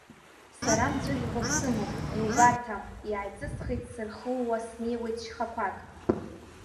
Сара мҵәыжәҩақәак сымоуп, иубарҭам, иааиҵысхит сырхууа снеиуеит шьхақәак…